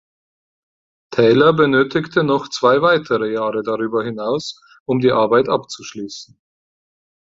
Taylor benötigte noch zwei weitere Jahre darüber hinaus, um die Arbeit abzuschließen.